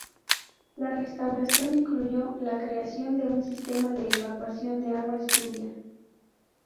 La restauración incluyó la creación de un sistema de evacuación de aguas lluvia.